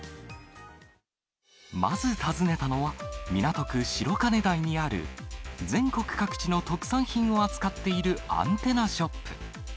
まず訪ねたのは、港区白金台にある全国各地の特産品を扱っているアンテナショップ。